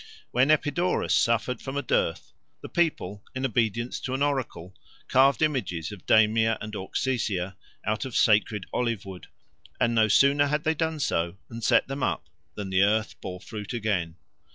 When Epidaurus suffered from a dearth, the people, in obedience to an oracle, carved images of Damia and Auxesia out of sacred olive wood, and no sooner had they done so and set them up than the earth bore fruit again.